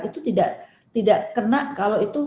itu tidak kena kalau itu